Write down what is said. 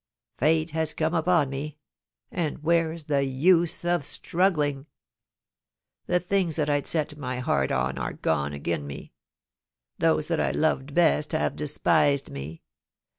Fate has come upon me, and where's the use of struggling ?... The things that I'd set my heart on are gone agen me. Those that I loved best have despised me.